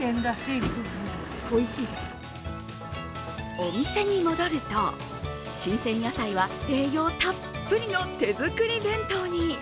お店に戻ると、新鮮野菜は栄養たっぷりの手作り弁当に。